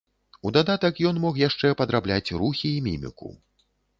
У дадатак ён мог яшчэ падрабляць рухі і міміку.